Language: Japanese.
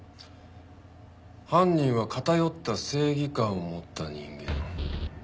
犯人は偏った正義感を持った人間。